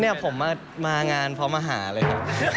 เนี่ยผมมางานเพราะมาหาเลย